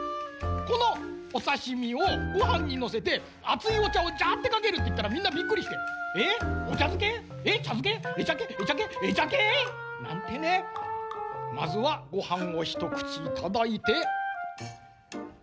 このおさしみをごはんにのせてあついおちゃをじゃってかけるっていったらみんなびっくりして「えおちゃづけ？えちゃづけ？えちゃけえちゃけえちゃけ」。なんてね。まずはごはんをひとくちいただいて。